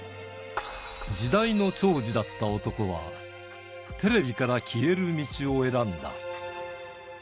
時代の寵児だった男は、テレビから消える道を選んだ。